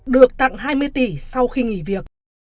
được tặng hai mươi tỷ sau khi nghỉ việc